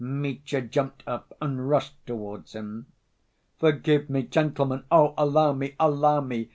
Mitya jumped up and rushed towards him. "Forgive me, gentlemen, oh, allow me, allow me!"